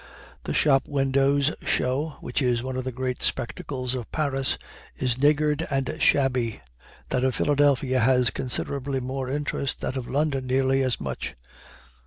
The shop windows' show, which is one of the great spectacles of Paris, is niggard and shabby; that of Philadelphia has considerably more interest, that of London nearly as much.